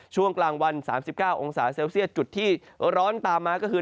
ช่วงกลางวัน๓๙องศาเซลเซียตจุดที่ร้อนตามมาก็คือ